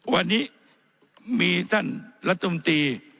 วันนี้มีท่านรัฐมนตรี